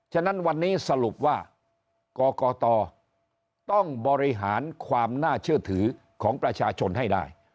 ฉะนั้นวันนี้สรุปว่ากรกตต้องบริหารความน่าเชื่อถือของประชาชนให้ได้